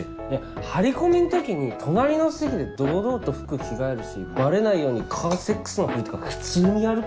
張り込みん時に隣の席で堂々と服着替えるしバレないようにカーセックスのふりとか普通にやるから。